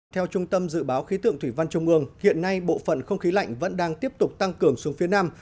theo trung tâm dự báo khí tượng thủy văn trung ương hiện nay bộ phận không khí lạnh vẫn đang tiếp tục tăng cường xuống phía nam